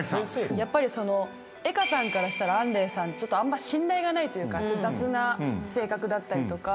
やっぱり江歌さんからしたら杏玲さんあんま信頼がないというか雑な性格だったりとか。